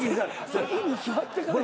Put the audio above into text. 席に座ってから。